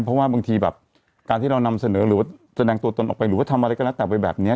เพราะว่าบางทีแบบการที่เรานำเสนอหรือว่าแสดงตัวตนออกไปหรือว่าทำอะไรก็แล้วแต่ไปแบบนี้